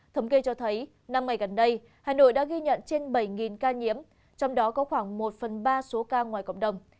thống kê cho thấy năm ngày gần đây hà nội đã ghi nhận trên bảy ca nhiễm trong đó có khoảng một phần ba số ca ngoài cộng đồng